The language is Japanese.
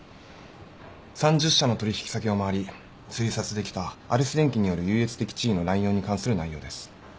３０社の取引先を回り推察できたアレス電機による優越的地位の濫用に関する内容です。